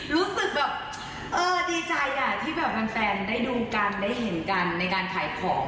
รู้สึกแบบเออดีใจที่แบบแฟนได้ดูกันได้เห็นกันในการขายของ